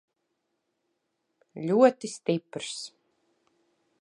Ļoti stiprs.